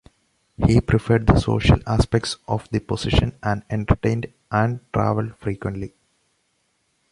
He preferred the social aspects of the position and entertained and travelled frequently.